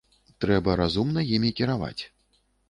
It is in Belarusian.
Трэба разумна імі кіраваць.